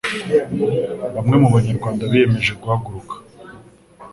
bamwe mu Banyarwanda biyemeje guhaguruka,